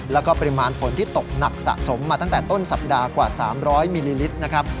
แล้วก็ปริมาณฝนที่ตกหนักสะสมมาตั้งแต่ต้นสัปดาห์กว่า๓๐๐มิลลิลิตรนะครับ